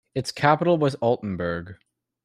Its capital was Altenburg.